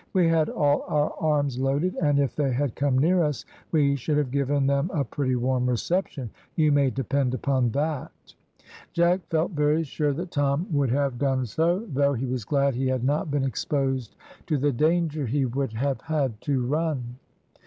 "We had all our arms loaded, and if they had come near us, we should have given them a pretty warm reception, you may depend upon that." Jack felt very sure that Tom would have done so, though he was glad he had not been exposed to the danger he would have had to run.